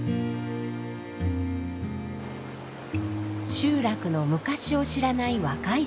集落の昔を知らない若い世代も。